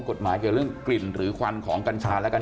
กฎหมายเกี่ยวเรื่องกลิ่นหรือควันของกัญชาแล้วกัน